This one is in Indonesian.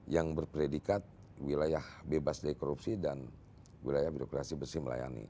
yang berpredikat wilayah bebas dari korupsi dan wilayah birokrasi bersih melayani